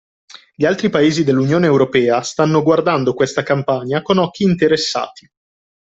Gli altri paesi dell'unione europea stanno guardando questa campagna con occhi interessati